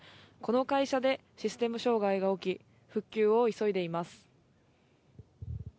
この会社でシステム障害が起き復旧を急いでいます。